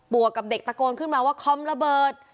วกกับเด็กตะโกนขึ้นมาว่าคอมระเบิด